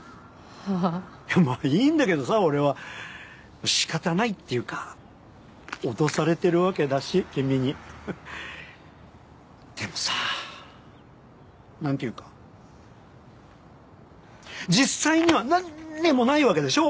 はあまあいいんだけどさ俺はしかたないっていうか脅されてるわけだし君にでもさなんていうか実際にはなんにもないわけでしょ